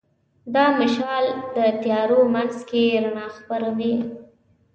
دا مشال د تیارو منځ کې رڼا خپروي.